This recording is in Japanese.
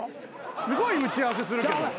すごい打ち合わせするけど。